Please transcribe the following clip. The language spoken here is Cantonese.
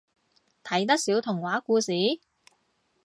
睇得少童話故事？